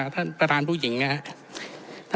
ท่านประธานผู้หญิงนะครับ